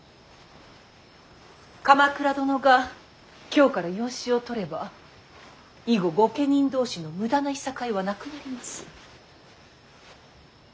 鎌倉殿が京から養子を取れば以後御家人同士の無駄ないさかいはなくなります。